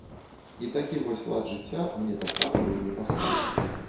І такі вось лад жыцця мне таксама вельмі пасуе.